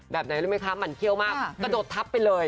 แบบไหนรู้ไหมคะหมั่นเขี้ยวมากกระโดดทับไปเลย